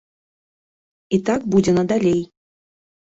І так будзе надалей.